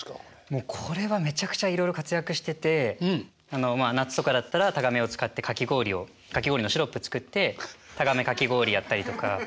もうこれはめちゃくちゃいろいろ活躍してて夏とかだったらタガメを使ってかき氷をかき氷のシロップ作ってタガメかき氷やったりとか。